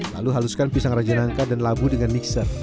lalu haluskan pisang rajenangka dan labu dengan mixer